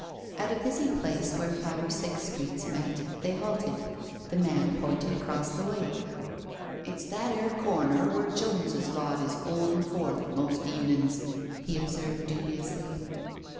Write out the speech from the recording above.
*' At a busy place where five or six streets met, they halted. The man pointed across the way: " It's that 'ere corner wh6re Joneses lot is 'oldin' forth, most evenin's," he observed dubiously.